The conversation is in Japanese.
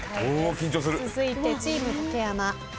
続いてチーム竹山。